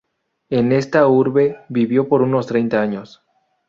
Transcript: En esta urbe vivió por unos treinta años.